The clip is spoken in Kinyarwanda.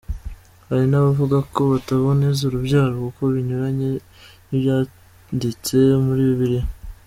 Hari n’abavuga ko bataboneza urubyaro kuko binyuranye n’ibyanditse muri bibiliya.